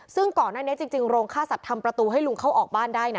ซึ่งก่อนหน้านี้จริงโรงฆ่าสัตว์ทำประตูให้ลุงเข้าออกบ้านได้นะ